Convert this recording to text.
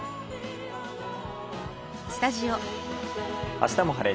「あしたも晴れ！